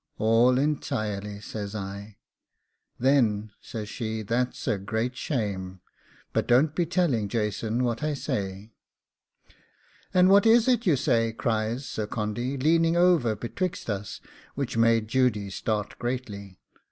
'All entirely' says I. 'Then,' says she, 'that's a great shame; but don't be telling Jason what I say.' 'And what is it you say?' cries Sir Condy, leaning over betwixt us, which made Judy start greatly.